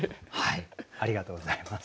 ありがとうございます。